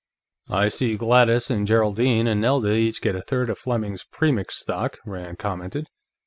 "I see Gladys and Geraldine and Nelda each get a third of Fleming's Premix stock," Rand commented.